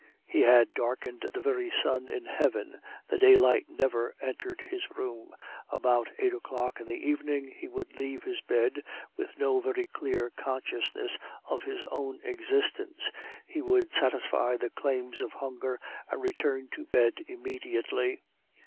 He had darkened the very sun in heaven; the daylight never entered his room. About eight o'clock in the evening he would leave his bed, with no very clear consciousness of his own existence; he would satisfy the claims of hunger and return to bed immediately.